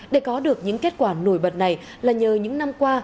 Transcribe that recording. để có được những kết quả nổi bật này là nhờ những năm qua